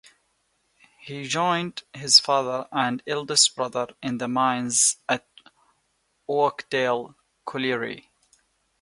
He joined his father and eldest brother in the mines at Oakdale Colliery.